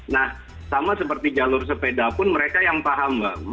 nah sama seperti jalur sepeda pun mereka yang paham mbak